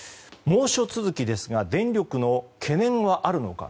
猛暑続きですが電力の懸念はあるのか。